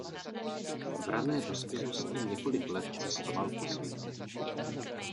V rané dospělosti několik let cestoval po světě.